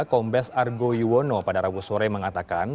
kombes argo yuwono pada rabu sore mengatakan